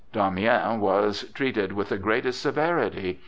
Damiens was treated with the greatest severity.